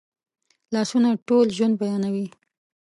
لاسونه ټول ژوند بیانوي